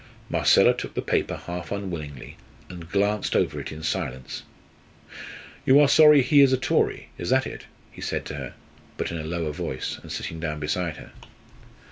Marcella took the paper half unwillingly and glanced over it in silence. "You are sorry he is a Tory, is that it?" he said to her, but in a lower voice, and sitting down beside her.